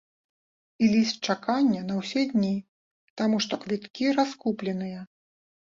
І ліст чакання на ўсе дні, таму што квіткі раскупленыя.